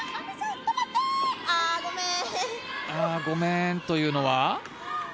ごめんというのは？